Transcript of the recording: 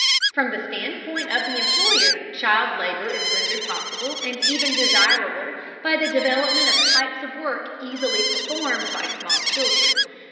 From the standpoint of the employer child labor is rendered possible and even desirable by the development of types of work easily performed by small children.